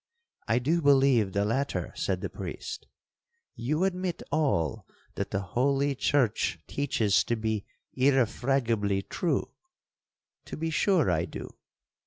'—'I do believe the latter,' said the priest. 'You admit all that the holy church teaches to be irrefragably true?'—'To be sure I do.'